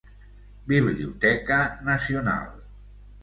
Biblioteca Nacional.